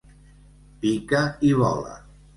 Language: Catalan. Pica i vola.